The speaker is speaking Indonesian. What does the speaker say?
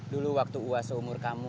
dulu waktu uas umur kamu